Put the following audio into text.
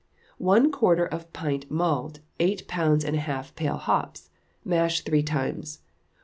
One quarter of pale malt, eight pounds and a half pale hops; mash three times.